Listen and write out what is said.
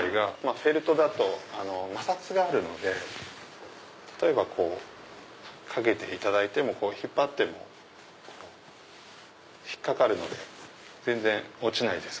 フェルトだと摩擦があるので例えばこう掛けていただいて引っ張っても引っ掛かるので全然落ちないです。